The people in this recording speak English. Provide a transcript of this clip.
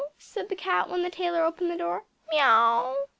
said the cat when the tailor opened the door. "Miaw?"